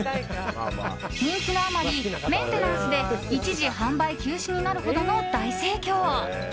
人気のあまり、メンテナンスで一時販売休止になるほどの大盛況。